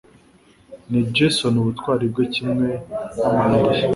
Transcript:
Ni Jason ubutwari bwe kimwe n'amayeri ye